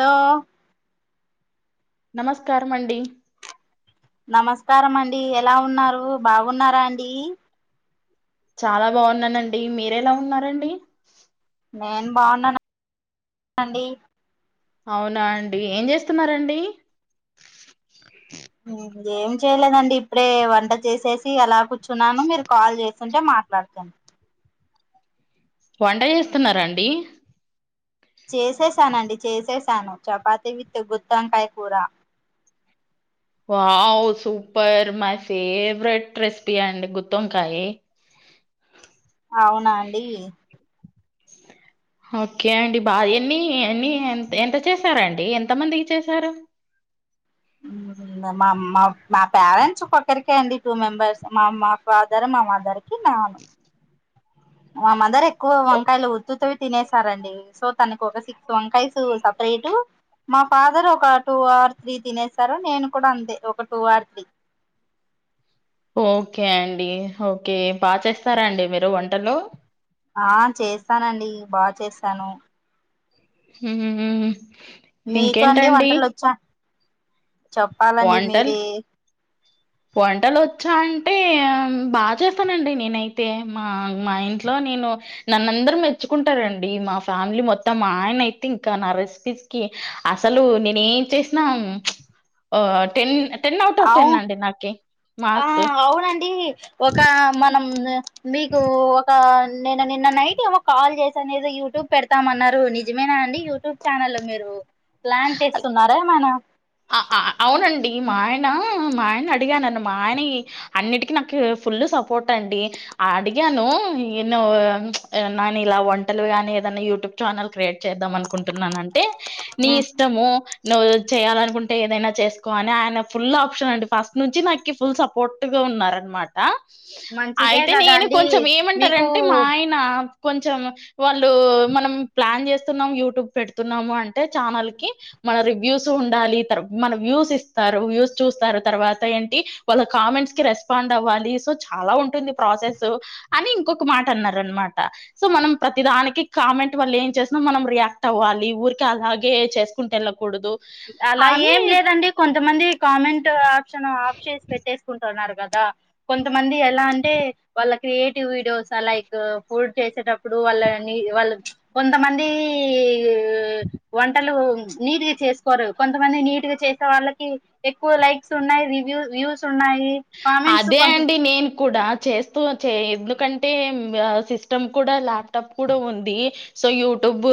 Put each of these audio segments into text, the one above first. దా. నమస్కారం అండి. నమస్కారం అండి ఎలా ఉన్నారు బాగున్నారా అండీ. చాలా బాన్నానండి మీర ఎలా ఉన్నారండి. నేను బాన్నా అండి. అవునా అండి ఏం చేస్తున్నారండి. ఏం చేయలేదండి ఇప్పుడే వంట చేసేసి అలా కూర్. చున్నాను మీరు కాల్ చేస్. సుంటే మాట్లాడతను. వంట చేస్తున్నారా అండి. చేసేసానండి చేసేసాను చపాతి విత్ గుత్తి వంకాయ కూర. Wow super my favourite recipe అండి గుత్తొంకాయీ. అవునా అండీ. ఒకే అండి బా ఎన్ని ఎన్ని ఎంత ఎంత చేసారా అండి ఎంత మందికి చేసారు. మా మా పేరెంట్స్ ఒక్కొక్కరికే అండి టూ మెంబర్స్ మా మా ఫాదర్ మా మదర్. తున్న మా మదరే. కు వంకాయలు ఉతుత్తవే. తినేసారండి సో తనకి ఒక సిక్స్ వంకాయస్ సపరేటు మా ఫాదర్ ఒక టూ ఆర్ త్రీ తినేసారు నేను కూడా అంతే ఒక టూ ఆర్ త్రీ. ఓకే అండి ఓకే బా చేస్తారా అండి మీరు వంటలూ ఆ చేస్తానండి బా చేస్తాను. హ్మ్మ్ హ్మ్మ్. మీకు అండి వంటలొచ్చా వంటల్ వంటలొ వచ్చా అంటే బా చేస్తానండి నేనైతే మా మా ఇంట్లో నేను నన్న్ అందరూ మెచ్చుకుంటారండి మా ఫ్యామిలీ మొత్తం మా ఆయన అయితే ఇంకా నా రెసిపీస్ కి అసలు నేనేం చేసిన ఆ టెన్ అవు ఆ మార్క్స్. అవునండి ఒక మ నమ్ద్ మీకూ ఒకా నేను నిన్న నైట్ ఏవో కాల్ చేస అనేదో యూట్యూబ్ పెడతామన్నారు నిజమేనా అండి యూట్యూబ్ ఛానల్ మీరు. ప్లాన్ చేస్తున్నారా మన. ఈ మా ఆయన మా ఆయన అడిగానున్న మా ఆయన అన్నిటికిీ నాకు ఫుల్ సపోర్ట్ అండి అడిగాను ఎన్నో నను ఇలా వంటలు గాని ఏదైనా యూట్యూబ్ ఛానల్ క్రియేట్ చేద్దాం అనుకుంటున్నాన్ అంటే. నీ ఇష్టము నువ్వు చేయాలనుకుంటే ఏదైనా చేసుకో అని ఆయన ఫుల్ ఆప్షన్ అండి ఫస్ట్ నుంచి నాకి ఫుల్ సపోర్ట్ గా ఉన్నార అనమాట మంచిదే అయితే కదా నేను అండి కొంచెం మీకు ఏమంటారంటే మా ఆయన కొంచం వాళ్ళు మనం ప్లాన్ చేస్త న్నం యూట్యూబ్ పెడుతున్నాముంటే ఛానల్ కి మన రివ్యూస్ ఉండాలి మన వ్యూస్ ఇస్తారు వ్యూస్ చూస్తారు తర్వాత ఏంటి వాళ్ళ కామెంట్స్ కి రెస్పాండ్ అవ్వాలి సో చాలా ఉంటుంది ప్రాసెస్ అని ఇంకొక మాట అన్నారు అనమాట సో మనం ప్రతిదానికి కామెంట్ వాల్ళ ఏం చేసిన మనం రియాక్ట్ అవ్వాలి ఊర్ అలాగే చేసుకుంటేల్ అలా ఏం లేదండి కొం కొంతమంది కామెంట్ ప్ ఆప్షన్స్ పెట్టేసుకుంటున్నారు కదా కొంతమంది ఎలా అంటే వాళ్ళ క్రియేటివ్ వీడియోస్ లైక్ డ్ చేసేటప్పుడు వాళ్ళని వాళ్ళు కొంతమంది వంటలు నీత్ కోరు కొంతమంది నీట్గా చేసే వాళ్ళకి ఎక్కువ లైక్స్ ఉన్నాయి రివ్యూ వ్యూస్ ఉన్నాయి కామెంట్స్ అదే కొంత అండి నేను కూడా చేస్తూ ఎందుకంటే సిస్టమ్ కూడా ల్యాప్టాప్ కూడా ఉంది సో యూట్యూబు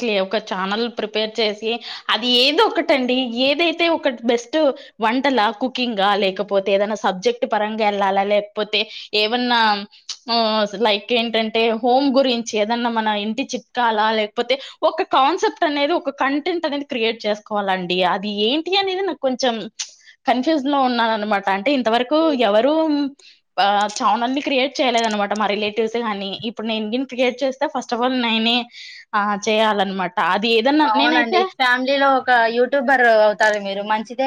కి ఒక ఛానల్ ప్రిపేర్ చేసి అది ఏద ఒకటండి ఏదైతే ఒకటి బెస్ట్ వంటలా కుకింగ్ లేకపోతే ఏదనా సబ్జెక్ట్ పరంగా వెళ్ళాలా లేకపోతే ఏమన్నా లైక్ ఏంటంటే హోమ్ గురించి ఏదన్నా మన ఇంటి చిట్కాలా లేకపోతే ఒక కాన్సెప్ట్ అనేది ఒక కంటెంట్ అనేది క్రియేట్ చేసుకోవాలండి అది ఏంటి అనేది నాకు కొంచెం కన్ఫ్యూజ్ లో ఉన్నాను అనమాట అంతవరకు ఎవరూం ఆ చానల్ని క్రియేట్ చేయలేదు అనమాట మా రిలేటివ్స్ గాని ఇప్పుడు నేనును క్రియేట్ చేస్తే ఫస్ట్ ఆఫ్ ఆల్ నేనే ఆ చేయాలన్నమాట అది ఏదన్నా అవునండి. నేనైతే ఫ్యామిలీ లో ఒక యూట్యూబర్ అవుతారు మీరు మంచిద్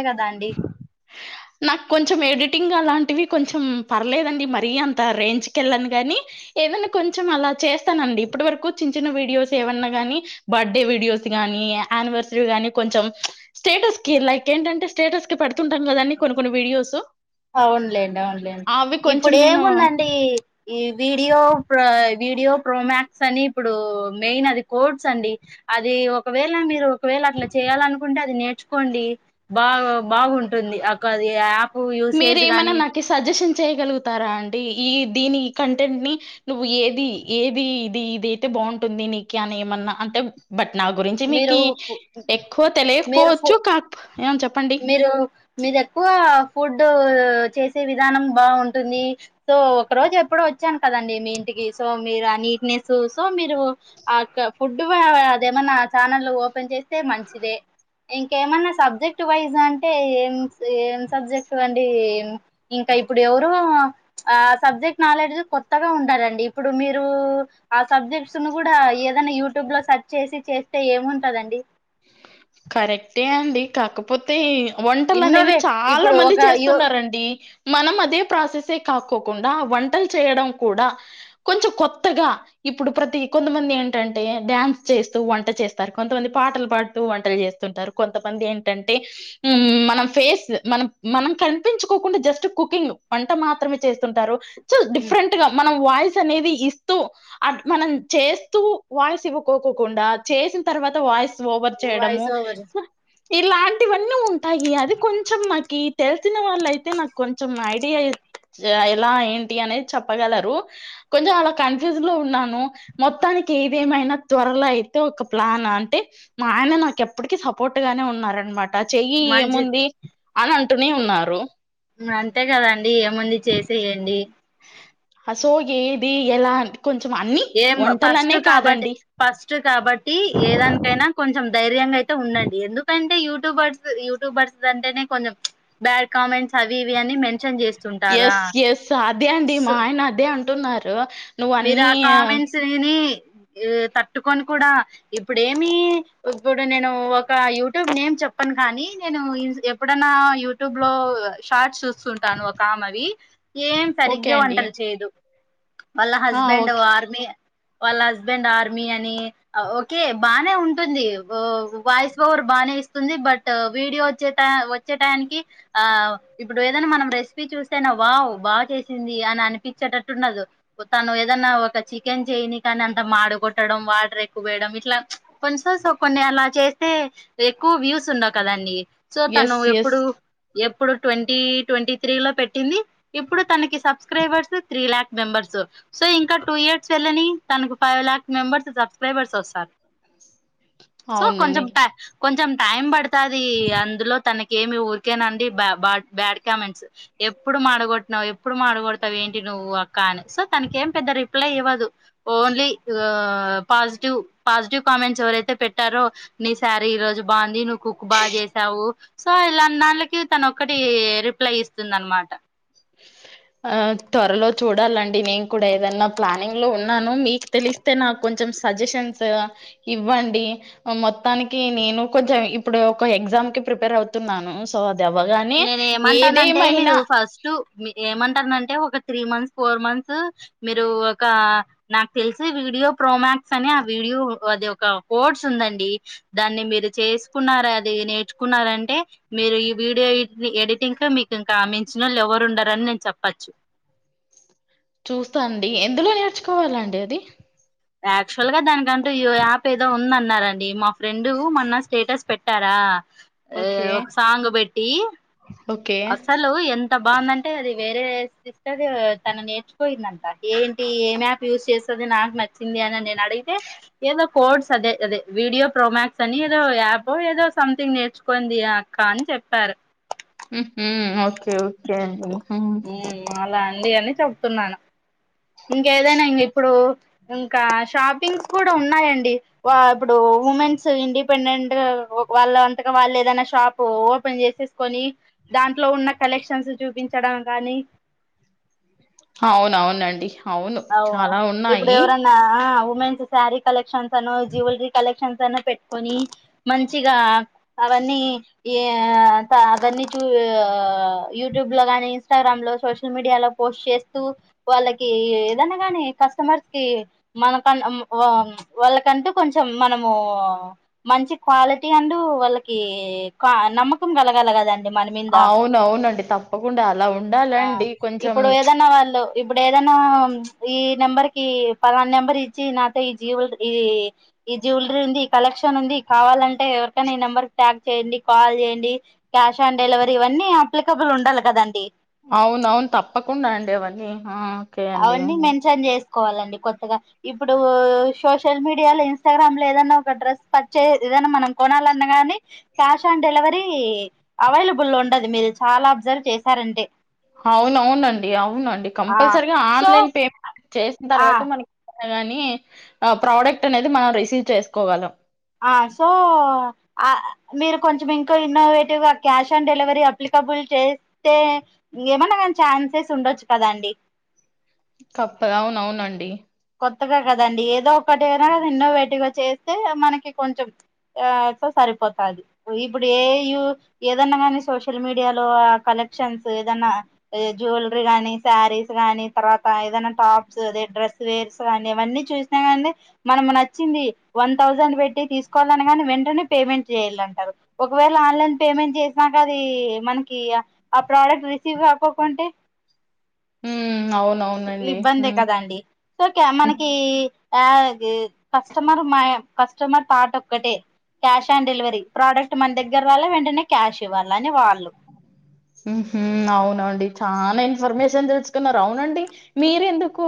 నాకు కొంచెం ఏడిట్ టింగ్ అలాంటివి కొంచెం పర్లేదండి. మరీ అంత రేంజ్ కెళ్ళన్గాని ఏదైనా కొంచెం అలా చేస్తానండి. ఇప్పడ్ వరకు చిన్న చిన్న వీడియోస్ ఏమన్నా. గాని బర్త్డే వీడియోస్ గానీ, ఆనివర్సరీ గానీ కొంచెం ప్చ్ స్టేటస్కి. లైక్ ఏంటంటే స్టేటస్ కి పెడుతుంటాం కదా అండి. కొన్ని కొన్ని వీడియోసు అవునులేండి, అవునులేండి ఇప్పుడు నేను ఏముందండి. ఈ వీడియో ప్ర వీడియో ప్రోమక్స్ అని ఇప్పుడు మెయిన్ అది కోడ్స్ అండి. అది ఒకవేళ మీరు ఒకవేళ అట్లా చేయాలనుకుంటే అది నేర్చుకోండి. బావ్ బాగుంటుంది. అ కాది అ యాపూ మీరేమైనా నాకి సజిషన్ చేయగలుగుతారా అండి. ఈ దీని కంటెంట్ని నువ్వు ఏది ఏది ఇది ది అయితే బాగుంటుంది. నీకు అని ఏమన్నా అంటే బట్ నా గురించి మీరు మీకి ఫు- ఎక్కువ మీరు ఫు తెలియకపోవచ్చు. కాక్పో ఏం చెప్పండి. మీరు మీది ఎక్కువ ఫుడు చేసే విధానం బావుంటుంది. సో ఒక్రోజు ఎప్పుడో వచ్చాను కదండి. మీ ఇంటికి సో మీరా నీట్నెస్ సో మీరు ఆ క ఫుడు ఆ దేమన్నా ఛానల్ ఓపెన్ చేస్తే మంచిదే. ఇంకేమన్నా సబ్జెక్ట్ క్ట్ వైజ్ అంటే. ఏం ఏం సబ్జెక్ట్ అండి. ఇంకా ఇప్పుడు ఎవరు ఆ సబ్జెక్ట్ నాలెడ్జ్ కొత్తగా ఉండాలాండి. ఇప్పుడు మీరు ఆ సబ్జెక్ట్స్ ను కూడా ఏదైనా యూట్యూబ్ లో సర్చ్ చేసి చేస్తే ఏముంటదండి. కరెక్టే అండి. కాకపోతే వంటలు అనేవి ఇన్నోవేట్ చాలా ఇప్పుడు మంది ఒక యు చేస్తున్నరాండి. మనం అదే ప్రాసెస్సే కాక్కోకుండా వంటలు చేయడం కూడా. కొంచెం కొత్తగా, ఇప్పుడు ప్రతి కొంతమంది ఏంటంటే డ్యాన్స్ చేస్తూ వంట చేస్తారు, కొంతమంది పాటలు పాడ్ తూ వంటలు చేస్తుంటారు. కొంతమంది ఏంటంటే, ఊమ్ మనం ఫేస్ మనం మనం కనిపించుకోకుండా. జస్ట్ కుకింగ్, వంట మాత్రమే చేస్తుంటారు. చ్ డిఫరెంట్ గా మనం. వాయిస్ అనేది ఇస్తూ, అట్ మనం చేస్తూ వాయిస్ ఇవ్వకోకుండా. చేసిన తర్వాత వాయిస్. చేయడము. వాయిస్ ఓవర్ హా ఇలాంటివన్నీ ఉంటాయి. అది కొంచెం నాకీ తెలిసిన వాళ్ళ అయితే నాకు కొంచెం ఐడియా ఇచ్. ఎలా ఏంటి అనేది చెప్పగలరు కొంచెం అలా కన్ఫ్యూజ్ లో ఉన్నాను. మొత్తానికి ఏదేమైనా త్వరలో అయితే ఒక ప్లాన్ అంటె. మా ఆయన నాకెప్పటికిీ సపోర్ట్ గానే ఉన్నారన్ మాట్ టా నా చెయ్యి మంచి ఏముంది అనంట్ ట్టుని ఉన్నారూ. ఊమ్ అంతే కదండి. ఏముంది చేసేయండి. ఆసో ఏది ఎలా అంట్ ఏం ఫస్ట్ కాబట్టి, ఫస్ట్ కాబట్టి ఏ దానికైనా కొంచ్ ధర్యమే. తే ఉందాండి. ఎందుకంట్ టే యూట్యూబర్స్, యూట్యూబర్స్ అంటేనే కొంచెం. బ్యాడ్ కామెంట్స్ అవి ఇవి అని మెన్షన్ చేస్. ఎస్ ఎస్ అదే అండి. మాయన అదే ఆన్. టున్నార్ మీర ఆ కామెంట్స్ వినీ. ఏ తట్టుకొని కూడా, ఇప్పుడేమీ, ఇప్పుడు నేను ఒక యూట్యూబ్ నేమ్ చెప్పాను కానీ, నేను ఎప్పుడన్నా. యూట్యూబ్ లో షార్ట్స్ చూస్ సున్టాన్ ఒక అమాధీ ఏం ఓకే సరిగ్గా అండి వంటలు చేయ్దు. వాళ్ళ ఆ హస్బెండ్ ఓకే ఆర్మి. వాళ్ళ హస్బెండ్ ఆర్మీ అని, ఓకే బానే ఉంటుంది, బో వాయిస్ పవర్ బాగానే ఇస్తుంది బట్, వీడియో వచ్చేట వచ్చేటయానికి ఆ ఇప్పుడు ఏదైనా మనం రెసిపీ చూస్తేనా వావ్ బాగా చేసింది అని అనిపించేటట్టుఉండదు. తను ఏదన్నా ఒక చికెన్ చేయని కానీ అంత మాడ కొట్టడం వాటర్ ఎక్కువేయడం ఇట్లా కొంచెం కొన్ని అలా చేస్తే ఎక్కువ వ్యూస్ ఉండవు కదండి. సో తను ఎస్ ఎస్ ఎప్పుడు ఎప్. ఇప్పుడు ట్వంటీ ట్వంటీ త్రీ లో పెట్టింది ఇప్పుడు తనకి. Subscribers three lakh. మెంబర్. స్. సో ఇంకా టూ ఇయర్స్ వేళ్ళని తనకు ఫైవ్ లాక్ మెంబర్స్ సబ్స్క్రైబర్స్ వస్తారు. సో అవునండి కొంచం టా కొంచం. టైమ్ బడ్ తాది అందులో తనకి. ఏమి ఊరికేనండి బ బ్యా బ్యాడ్ కామెంట్స్ ఎప్పుడు మాడగొట్టినవ్ ఎప్పుడు మాడగొడతావు ఏంటి నువ్వు అక్క అని సో తనకేం పెద్ద రిప్లై ఇవ్వదు. ఓన్లీ ఓ పాజిటివ్ పాజిటివ్ కామెంట్స్ ఎవరైతే పెట్ టారో నీసారి ఈ రోజు బాగుంది నువ్వు కుక్ బాగా చేసావు. సో ఇలాంటి దాండ్లకి తనొక్కటి రిప్లై ఇస్తుందనమాట ఆ త్వరలో చూడాలండి నేను కూడా ఏదన్నా ప్లానింగ్ లో ఉన్నాను మీకు తెలిస్తే నాకు కొంచెం సజెషన్స్ ఇవ్వండి మొత్తానికి నేను కొంచెం ఇప్పుడు ఒక ఎగ్జామ్కిి ప్రిపేర్ అవుతున్నాను సో ఇదవ్వగానే ఏదేమైనా ఏమంటందంటే ఒక త్రీ మంత్స్ ఫోర్ మంత్స్ మీరు ఒక నాకు తెలిసి వీడియో ప్రోమాక్స్ అని ఆ వీడియో అది ఒక కోడ్స్ ఉందండి దాన్ని మీరు చేసుకున్నారు అది నేర్చుకున్నారంటే మీరు ఈ వీడియో ఎడిటింగ్కు మీకు ఇంకా మించినోళ్ళు ఎవ్వరుండరని నేను చెప్పచ్చు. చూస్తా అండి ఎందులో నేర్చుకోవాలండి అది యాక్చువల్గా దానికంటూ ఈ యాప్ ఏదో ఉందన్నారండి మా ఫ్రెండ్ మొన్న స్టేటస్ పెట్టారా ఆ ఓకే ఒక సాంగ్ పెట్టి ఓకే అసలు ఎం ఎంత బాగుందంటే అది వేరే సిస్టర్ తన నేర్చుకోయిందంట ఏంటి ఏం యాప్ యూస్ చేస్తుంది. నాకు నచ్చింది అని నేను అడిగితే ఏదో కోడ్స్ అదే అదే వీడియో ప్రోమాక్స్ అని ఏదో యాప్ ఏదో సంథింగ్ నేర్చుకోంది అక్క అని చెప్పారు. హు మ్మ్ ఓకే ఓకే అండి. హూ అలా అండి అని చెప్తున్నాను. ఇంకేదైనా ఇంక ఇప్పుడు ఇంకా షాప్ పింగ్స్ కూడా ఉన్నాయండి వా ఇప్పుడు ఉమెన్స్ ఇండిపెండెంట్ వాళ్ళ అంతక వాళ్ళు ఏదైనా షాప్ ఓపెన్ చేసేస్కొని దాంట్లో ఉన్న కలెక్షన్స్ చూపించడం కానీ అవునవునండి. అవును అవు చాలా ఇప్పుడు ఉన్నాయి ఎవరన్నా ఆ ఊ వుమెన్స్ స్యారీ కలెక్షన్ సను జ్యువలరీ కలెక్షన్ సను పెట్టుకొని మంచిగా అవన్నీ యా స అవన్ని చూ యూట్యూబ్ లో గాని ఇన్స్టాగ్రామ్ లో సోషల్ మీడియాలో పోస్ట్ చేస్తూ వాళ్ళకీ దనా గని కస్టమర్స్ కి మన వాళ్ళకంటూ కొంచెం మనము మంచి క్వాలిటీ అంటూ వాళ్ళకి క నమ్మకం కలగల కదాం ఆ అవును అవునండి తప్పకుండా అలా ఉ ఆ ఇప్పుడు ఏదన్నా వాళ్ళు ఇప్పుడు ఏదనా ఈ నెంబర్ కి పాలన నెంబర్ ఇచ్చి నాతో ఈ జ్యువెల్రీ ఈ ఈ జ్యువెలరీ ఉంది ఈ కలెక్షన్ ఉంది కావాలంటే ఎవరికైన ఈ నంబర్ ట్యాగ్ చేయండి కాల్ చేయండి క్యాష్ ఆన్ డెలివరీ ఇవన్నీ అప్లికబుల్ ఉండాలి కదండి. అవును అవును తప్పకుండా అండి అవన్ని ఆ ఓకే అండి కోవాలండి కొత్తగా ఇప్పుడు సోషల్ మీడియాలో ఇన్స్టాగ్రామ్ లో ఏదైనా ఒక డ్రెస్ పర్చే ఏదైనా మనం కొనాలన్నా గాని క్యాష్ ఆన్ డెలివరీ ఈ అవైలబుల్ ఉండదు మీరు చాలా అబ్జర్వ్ చేశారంటె అవునవునండి అవునండి ఆ కంపల్సరి గా సో ఆన్లైన్ పేమెంట్ చేసిన ఆ తర్వాత మనకి గాని ఆ ప్రోడక్ట్ అనేది మనం రిసీవ్ చేసుకోగలం ఆ సో మీరు కొంచెం ఇంకా ఇన్నోవేటివ్గా క్యాష్ ఆన్ డెలివరీ అప్లికబుల్ చేస్తే ఏమన్నా ఛాన్సెస్ ఉండొచ్చు కదాండి. కప్పదు అవున అవునండి కొత్తగా కదండి ఏదో ఒకటి ఐనా అది ఎన్నో వేటిగా చేస్తే మనకి కొంచెం సరిపోతది ఇప్పుడు ఏ ఏదన్నా కాని సోషల్ మీడియాలో కలెక్షన్స్ ఏదన్న జువెలరీ గానీ శారీస్ కానీ తర్వాత ఏదైనా టాప్స్ అదే డ్రస్ వేర్స్ కానీ అవన్నీ చూసినా కానీ మన నచ్చింది వన్ థౌసండ్ పెట్టి తీసుకోవాలని కాని వెంటనే పేమెంట్ చేయాలంటారు ఒకవేళ ఆన్లైన్ పేమెంట్ చేసినాకా ఆది మనకి ఆ ప్రోడక్ట్ రిసివ్ కాకోకుంటే అవును ఇబ్బందే కదండి సో కే మనకి కాదు కస్టమర్ మా కస్టమర్ థాట్ ఒక్కటే క్యాష్ ఆన్ డెలివరీ ప్రోడక్ట్ మన దగ్గర రావల్ల వెంటనే క్యాష్ ఇవ్వాల అని వాళ్ళు ఉహు అవునండి చానా ఇన్ఫర్మేషన్ తెలుసుుకున్నారు అవునండి మీరు ఎందుకు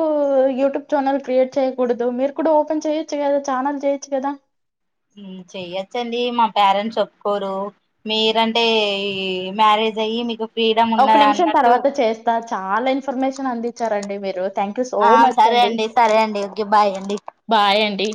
యూట్యూబ్ ఛానల్ క్రియేట్ చేయ్యకూడదు మీరు కూడా ఓపెన్ చేయొచ్చు కదా ఛానల్ చేయొచ్చు కదా ఉ చేయచ్చు అండి మా పేరెంట్స్ ఓప్పుకోరు మీరంటే ఈ మ్యారేజ్ యి మీకు ఫ్రీడమ్ ఒక ఉన్నది నిమిషం అన్నట్టు తర్వాత చేస్తా చాలా ఇన్ఫర్మేషన్ అందించారండి మీరు థ్యాంక్ యూ సో ఆ మచ్ సరే అండి సరే అండి ఓకే బాయ్ అండి బాయ్ అండి